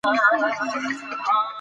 تاسو باید خپل ایمیلونه ژر وګورئ.